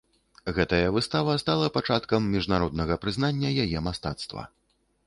Гэтая выстава стала пачаткам міжнароднага прызнання яе мастацтва.